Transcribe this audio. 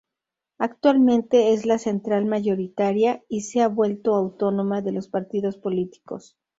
Actualmente es la central mayoritaria y se ha vuelto autónoma de los partidos políticos.